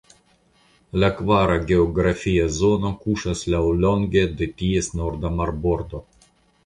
La kvara geografia zono kuŝas laŭlonge de ties norda marbordo.